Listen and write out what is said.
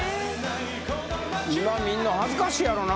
今見んの恥ずかしいやろな。